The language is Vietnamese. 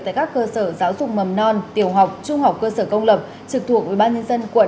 tại các cơ sở giáo dục mầm non tiểu học trung học cơ sở công lập trực thuộc ubnd quận